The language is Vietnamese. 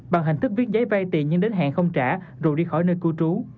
bằng hình thức viết giấy vay tiền nhưng đến hẹn không trả rồi đi khỏi nơi cư trú